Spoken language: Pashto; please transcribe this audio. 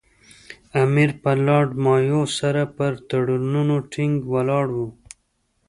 امیر پر لارډ مایو سره پر تړونونو ټینګ ولاړ وو.